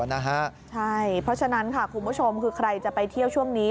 เพราะฉะนั้นค่ะคุณผู้ชมคือใครจะไปเที่ยวช่วงนี้